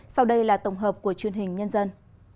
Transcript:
sau đây là tổng hợp của truyền hình nhân dân